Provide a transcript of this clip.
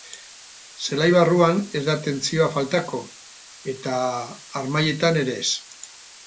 Zelai barruan ez da tentsioa faltako, eta harmailetan ere ez.